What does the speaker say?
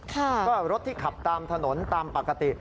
ก็รถที่ขับตามถนนตามปกติ